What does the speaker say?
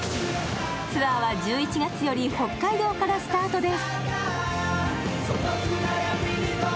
ツアーは１１月より北海道からスタートです。